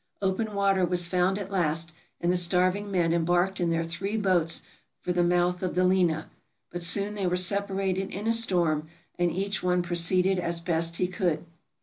Open water was found at last, and the starving men embarked in their three boats for the mouth of the Lena; but soon they were separated in a storm, and each one proceeded as best he could.